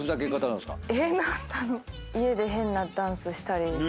家で変なダンスしたり。